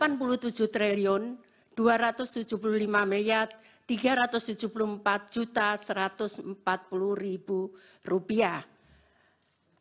anggaran tersebut dilaksanakan melalui program perlindungan sosial sebesar rp delapan puluh enam seratus dua ratus tujuh puluh satu tujuh ratus lima